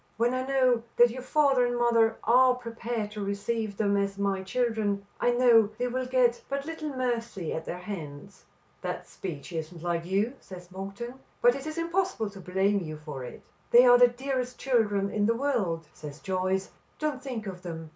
When I know that your father and mother are prepared to receive them as my children, I know they will get but little mercy at their hands." "That speech isn't like you," says Monkton, "but it is impossible to blame you for it." "They are the dearest children in the world," says Joyce. "Don't think of them.